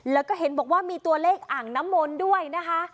แล้วก็เห็นบอกว่ามีตัวเลขอ่างน้ำมนต์ด้วยนะคะ